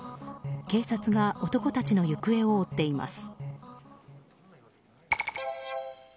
警察が男たちの行方を追っています。